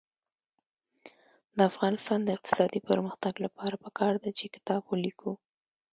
د افغانستان د اقتصادي پرمختګ لپاره پکار ده چې کتاب ولیکو.